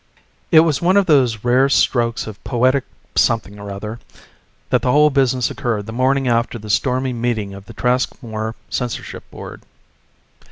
_ It was one of those rare strokes of poetic something or other that the whole business occurred the morning after the stormy meeting of the Traskmore censorship board.